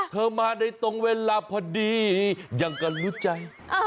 เธอมาในตรงเวลาพอดียังก็รู้ใจ